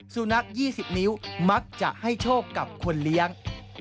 สุนัข๒๐นิ้วมักจะให้โชคกับคนเลี้ยง